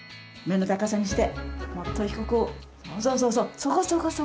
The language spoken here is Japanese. そうそうそうそう。